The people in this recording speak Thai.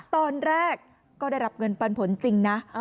ตอนแรกก็ได้รับเงินปันผลจริงนะ